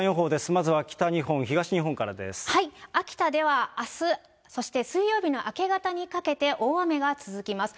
まずは北日本、秋田ではあす、そして水曜日の明け方にかけて、大雨が続きます。